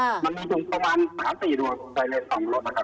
มันมีถึงประมาณ๓๔ตัวส่วนแฟรนด์๒รถค่ะ